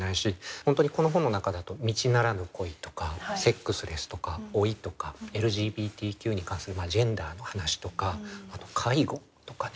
本当にこの本の中だと道ならぬ恋とかセックスレスとか老いとかＬＧＢＴＱに関するジェンダーの話とかあと介護とかね。